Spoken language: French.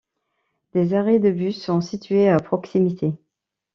Des arrêts de bus sont situés à proximité.